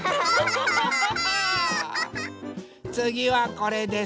つぎはこれです。